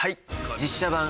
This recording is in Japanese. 実写版